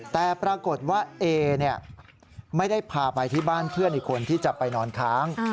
แต่ปรากฏว่าเอไม่ได้พาไปที่บ้านเพื่อนอีกคนที่จะไปนอนค้าง